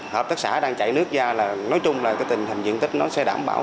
hợp tác xã đang chạy nước ra nói chung là tình hình diện tích sẽ đảm bảo